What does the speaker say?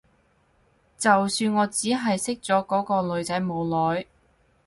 就算我只係識咗嗰個女仔冇耐